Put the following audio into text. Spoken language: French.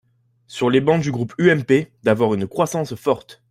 sur les bancs du groupe UMP, d’avoir une croissance forte.